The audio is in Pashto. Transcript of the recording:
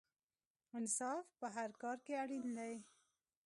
انصاف په هر کار کې اړین دی.